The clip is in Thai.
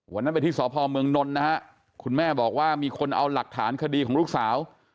วันนั้นไปที่สพเมืองนนท์นะฮะคุณแม่บอกว่ามีคนเอาหลักฐานคดีของลูกสาว